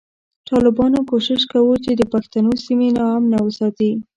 ټالبانو کوشش کوو چی د پښتنو سیمی نا امنه وساتی